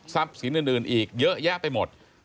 ทรัพย์สินอื่นอีกเยอะแยะไปหมด